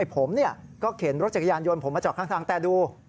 ผมก็เข็นรถจักรยานยนต์ผมมาจอดข้างทางแต่ดู